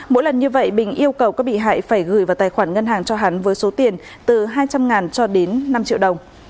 mỗi lần như vậy bình yêu cầu các bị hại phải gửi vào tài khoản ngân hàng cho hắn với số tiền từ hai trăm linh cho đến năm triệu đồng